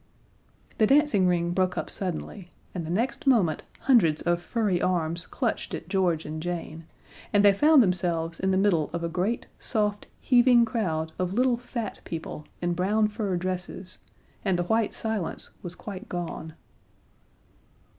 The dancing ring broke up suddenly, and the next moment hundreds of furry arms clutched at George and Jane, and they found themselves in the middle of a great, soft, heaving crowd of little fat people in brown fur dresses, and the white silence was quite gone.